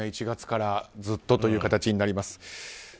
１月からずっとという形になります。